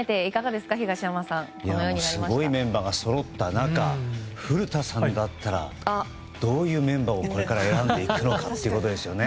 すごいメンバーがそろう中古田さんだったらどういうメンバーをこれから選ぶのかってことですよね。